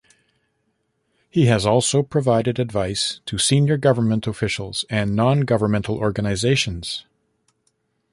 He has also provided advice to senior government officials and non-governmental organizations.